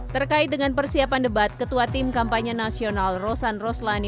terkait dengan persiapan debat ketua tim kampanye nasional rosan roslani